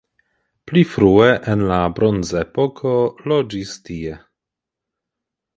Pli frue en la bronzepoko loĝis tie.